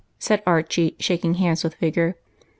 " said Archie, shak ing hands with vigor.